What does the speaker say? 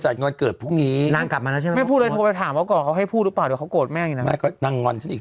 ทำแล้วทุกอย่างขนาดนั้นแล้วเหรอคะอ่ะก็เลยไปพระจดหนังได้